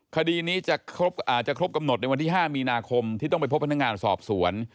คดีนี้จะครบกำหนดในวันที่๕มีนาคมที่ต้องไปพบพนักงานสอบสวน